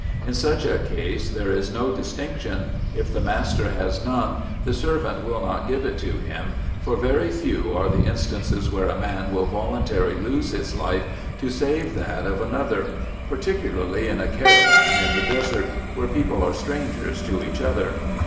In such a case there is no distinction ; if the master has none, the servant will not give it to him, for very few are the instances where a man will voluntarily lose his life to save that of another, particularly in a caravan in the desert, where people are strangers to each other.